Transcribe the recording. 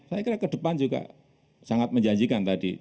saya kira ke depan juga sangat menjanjikan tadi